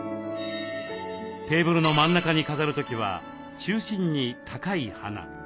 テーブルの真ん中に飾る時は中心に高い花。